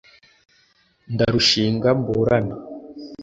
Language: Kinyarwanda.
ndarushinga mburana